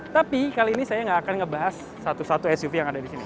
tapi kali ini saya nggak akan ngebahas satu satu suv yang ada di sini